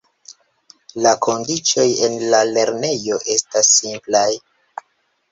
La kondiĉoj en la lernejo estas simplaj.